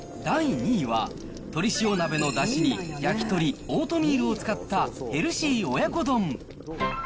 第２位は、鶏塩鍋のだしに、焼き鳥、オートミールを使ったヘルシー親子丼。